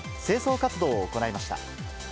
清掃活動を行いました。